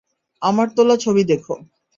আমার তোলা ছবি দেখো।